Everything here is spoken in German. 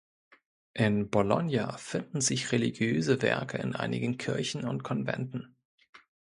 In Bologna finden sich religiöse Werke in einigen Kirchen und Konventen.